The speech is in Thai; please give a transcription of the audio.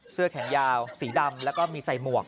เสื้อแขนยาวสีดำแล้วก็มีใส่หมวก